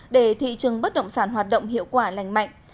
để thị trường bất động sản hoạt động hiệu quả lành mạnh